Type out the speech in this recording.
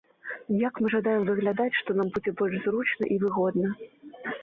Як мы жадаем выглядаць, што нам будзе больш зручна і выгодна.